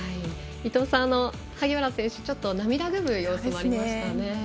伊藤さん萩原選手、涙ぐむ様子もありましたね。